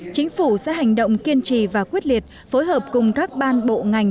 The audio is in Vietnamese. chính phủ sẽ hành động kiên trì và quyết liệt phối hợp cùng các ban bộ ngành